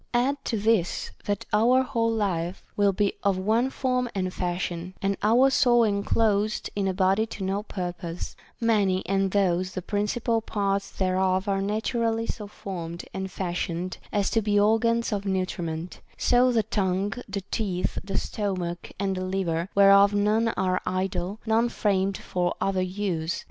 Add to this, that our whole life will be of one form and fashion, and our soul enclosed in a body to no purpose ; many and those the principal parts thereof are naturally so formed and fashioned as to be organs of nutriment ; so the tongue, the teeth, the stomach, and the liver, whereof none are idle, none framed for other use.